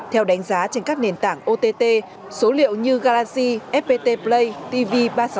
theo đánh giá trên các nền tảng ott số liệu như garaxi fpt play tv ba trăm sáu mươi